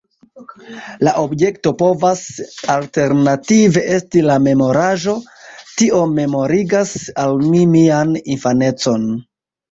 La objekto povas alternative esti la memoraĵo: Tio memorigas al mi mian infanecon.